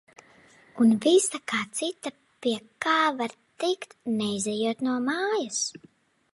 Un visa kā cita, pie kā var tikt, neizejot no mājas.